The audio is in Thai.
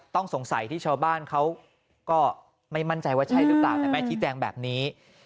ต้องสงสัยที่ชาวบ้านเขาก็ไม่มั่นใจว่าใช่หรือตัดแบบนี้